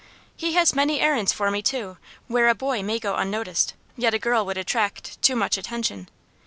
He has many errands for me, too, where a boy may go unnoticed, yet a girl would attract too much attention.